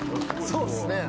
そうっすね